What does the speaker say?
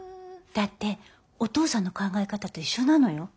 だってお父さんの考え方と一緒なのよ。